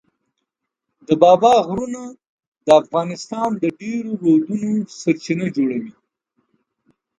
د بابا غرونه د افغانستان د ډېرو رودونو سرچینه جوړوي.